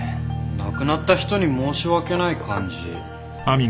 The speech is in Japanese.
亡くなった人に申し訳ない感じ。